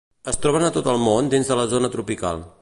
Es troben a tot el món dins de la zona tropical.